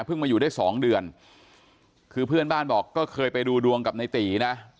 มาอยู่ได้สองเดือนคือเพื่อนบ้านบอกก็เคยไปดูดวงกับในตีนะ